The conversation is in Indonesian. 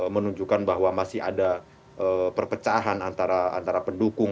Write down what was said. menunjukkan bahwa masih ada perpecahan antara pendukung